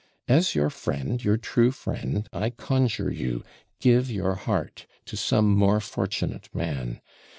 As your friend, your true friend, I conjure you, give your heart to some more fortunate man.